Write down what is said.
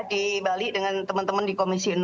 di bali dengan teman teman di komisi enam